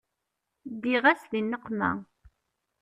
Ddiɣ-as di nneqma.